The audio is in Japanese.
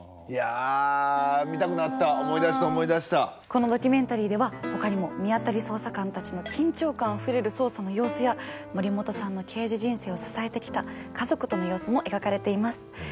このドキュメンタリーではほかにもミアタリ捜査官たちの緊張感あふれる捜査の様子や森本さんの刑事人生を支えてきた家族との様子も描かれています。